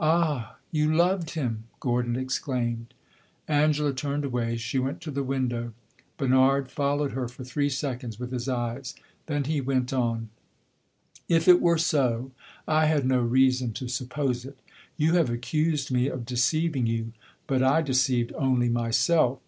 "Ah, you loved him!" Gordon exclaimed. Angela turned away she went to the window. Bernard followed her for three seconds with his eyes; then he went on "If it were so, I had no reason to suppose it. You have accused me of deceiving you, but I deceived only myself.